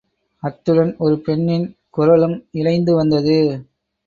அத்துடன் ஒரு பெண்ணின் குரலும் இழைந்து வந்தது.